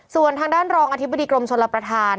ส่วนทางด้านรองอธิบดีกรมชลประธาน